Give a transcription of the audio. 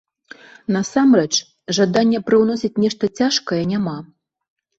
Насамрэч, жадання прыўносіць нешта цяжкае няма.